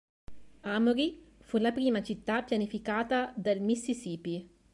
Amory fu la prima città pianificata del Mississippi.